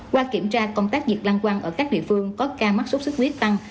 qua kiểm tra công tác nhiệt lăng quăng ở các địa phương có ca mắc sốt xuất huyết tăng